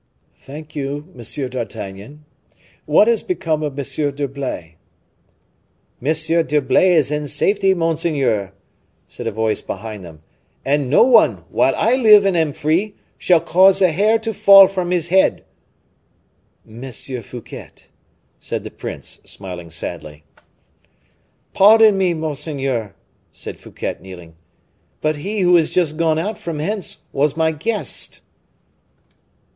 "Thank you, M. d'Artagnan.... What has become of M. d'Herblay?" "M. d'Herblay is in safety, monseigneur," said a voice behind them; "and no one, while I live and am free, shall cause a hair to fall from his head." "Monsieur Fouquet!" said the prince, smiling sadly. "Pardon me, monseigneur," said Fouquet, kneeling, "but he who is just gone out from hence was my guest."